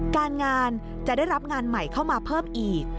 การงานจะได้รับงานใหม่เข้ามาเพิ่มอีก